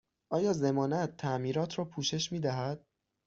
آیا ضمانت تعمیرات را پوشش می دهد؟